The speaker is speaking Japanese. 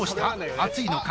熱いのか？